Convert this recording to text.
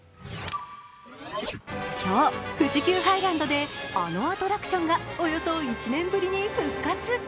今日、富士急ハイランドであのアトラクションが、およそ１年ぶりに復活。